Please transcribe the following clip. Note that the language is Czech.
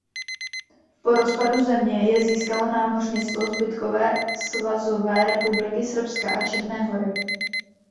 Po rozpadu země je získalo námořnictvo zbytkové Svazové republiky Srbska a Černé Hory.